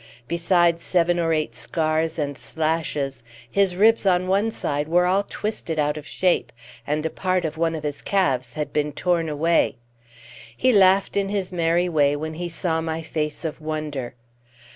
Besides seven or eight scars and slashes, his ribs on one side were all twisted out of shape, and a part of one of his calves had been torn away. He laughed in his merry way when he saw my face of wonder.